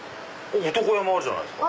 男山あるじゃないですか。